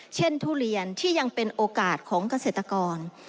ทุเรียนที่ยังเป็นโอกาสของเกษตรกร